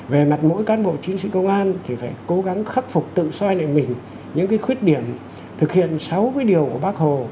về mặt mỗi cán bộ chiến sĩ công an thì phải cố gắng khắc phục tự soi lại mình những cái khuyết điểm thực hiện sáu cái điều của bác hồ